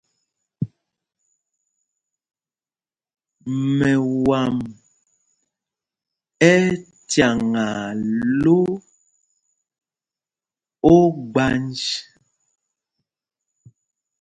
Mɛwam ɛ́ ɛ́ cyaŋaa lō ogbanj.